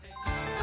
あ！